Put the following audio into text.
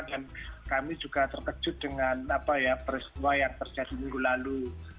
dan kami juga terkejut dengan peristiwa yang terjadi minggu lalu